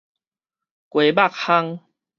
雞肉烘